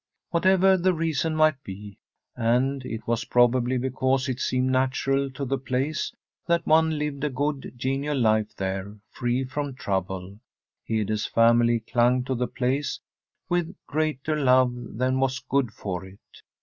Whatever the reason might be — ^and it was probably because it seemed natural to the place that one lived a good, genial life there, free from trouble — Hede's family clung to the place with greater love than was good for it.